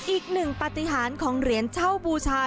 อีกหนึ่งปฏิหารของเหรียญเช่าบูชา